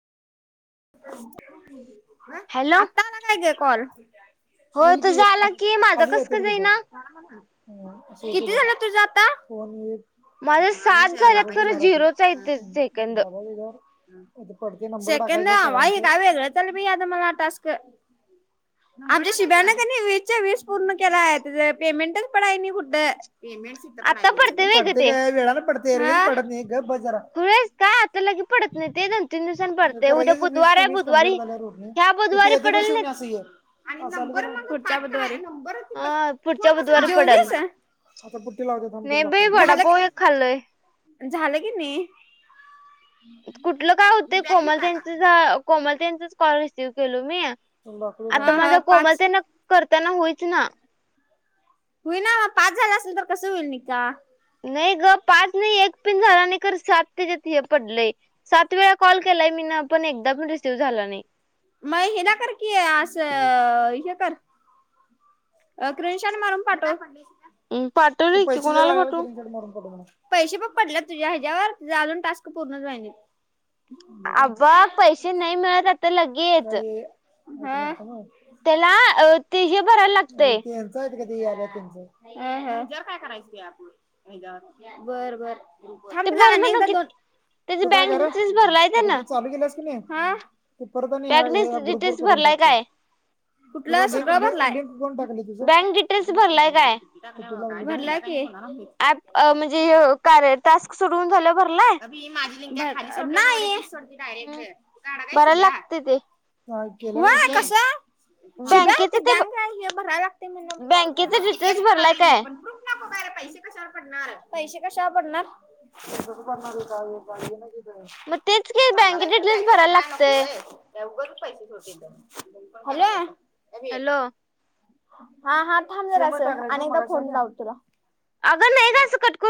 [inaudible] ह हॅलो आता आला काय ग कॉल? हो येईल की तुझा [unintelligible] आला की माझा कस का जाईना किती झालंत तुझ आता? माझं आणि सात [unintelligible] झाल्यात खरं दाबायचं. झिरोच आहे ते सेकंद [unintelligible] आमच्या शिब्या आहे ना, त्यांनी वीस च्या वीस पूर्ण केला आहे, तेचं पेमेंटच पडाई नाही कुठं. आता वेग पडते ते गं, वेळानं पडते रे हां, पडत नाही गप बस जरा. खुळी आहेस का, आता लगे पडत नाही ते नंत न कराक्याचं वीस ते वीस कम्प्लीट झाल्यावर होत नाही ह्या किती बुधवारी येते बघ पडेल शिवनी नाही आसं इयर. आणि नंबर मग पाठ [unintelligible] नंबर पुढच्या बुधवारी. [unintelligible] अ पुढच्या फोन कसं लावायचं, बुधवारी पडेल जेवलीसं, आता पुट्ठी लावतो थांब नाही तुला बाई दाखवते, झालं का? वडापाव एक खाल्लोय. झालं की नाही? कुठलं काय होतंय, कोमल त्यांच झा कोमल त्यांचच कॉल रिसीव केलो म्या. तुला दाखवतो आता हा हा माझा कोमल पाच तेना करताना होईच ना. होईना, पाच झालं असल तर कसं होईल निका. नाही गं, पाच नाही एक पिन झाला नाही, खरं सात तेज्यात हे पडलंय. सात वेळा कॉल केलाय मीन पण एकदा पण रिसिव्ह झाला नाही. मग हिला कर की असं हे कर. स्क्रीन शॉट मारून पाठव, तु पाठवलय की पैसे देणार कोणाला आहे ना, पाठवू? स्क्रीन शॉट मारून पाठव ना मग. पैसे पण पडल्यात तुझ्या ह्याच्यावर, तुझं अजून टास्क पूर्णच होय नाहीत. आबग पैसे नाही मिळत आता लगेच. हं. त्याला अ. ते हे भरायला लागतय एटीएन. तायत कधी आले तुमचं, हा हा, युजर काय करायचं ते ॲपवर ह्याच्यावर, बर बर. ग्रुप वर ते थांब तुला भर आणि म्हणू एकदा की दोन, त्याची तू काय बँक कर डिटेल्स भरलाय आता त्यानं तू चालू केली आहेस की नाही, हां. तू परत आणि ह्या, ह्या बँक ह्या ग्रुप वर डिटेल्स करून भरलाय टाक ते, काय कुठलं सगळं भरलाय, ले ले ले ले लेफ्ट करून टाकाले. तुझं, बँक डिटेल्स भरलाय काय [unintelligible] भरलाय की. अ... म्हणजे हे कार्यात. टास्क सोडवून झाल्यावर भरलाय? अभी माझी लिंक खाली सोड [unintelligible] डयरेक्ट. धरायला लागतंय ते. काय केलं, [unintelligible] कसं? शुभ्या बँकेच ते बँक ब- राहिलीया भरा लागतंय म्हणं फाॅर्म, बँकेचे बघ की तेच डिटेल्स भरलाय म्हणालोय मी काय? पण प्रुप- नको करा, पैसे कशाव पडणार, पैसे कशाव पडणार? [unintelligible] मग तेच की, बँके डिटेल्स भरा लागतंय. उगाचंच पैसे [unintelligible] हॅलो. हा हा, थांब जरासं आणि एकदा फोन लाव तुला. आगंन. [unintelligible]